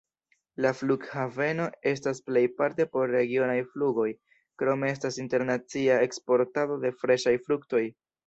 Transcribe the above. La flughaveno estas plejparte por regionaj flugoj, krome estas internacia eksportado de freŝaj fruktoj.